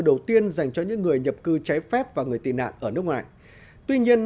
đầu tiên dành cho những người nhập cư trái phép và người tị nạn ở nước ngoài tuy nhiên